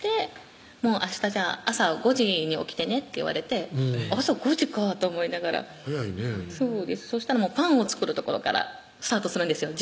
「明日朝５時に起きてね」って言われて朝５時かと思いながら早いねそしたらパンを作るところからスタートするんですよ